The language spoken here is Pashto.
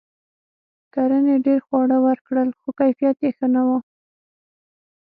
کرنې ډیر خواړه ورکړل؛ خو کیفیت یې ښه نه و.